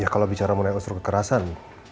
kalau bicara mengenai unsur kekerasan